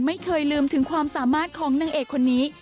ไม่เคยลืมถึงความสามารถของนางเอกคนนี้